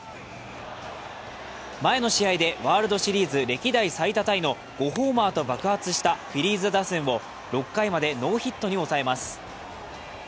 前の試合でワールドシリーズ歴代最多タイの５ホーマーと爆発したフィリーズ打線を６回までノーヒットに抑えます。